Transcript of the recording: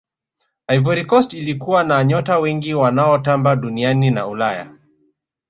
ivory coast ilikuwa na nyota wengi wanaotamba duniani na ulaya